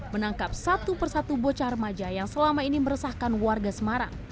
menangkap satu persatu bocah remaja yang selama ini meresahkan warga semarang